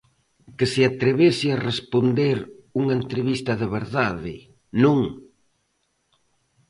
Que se atrevese a responder unha entrevista de verdade, non?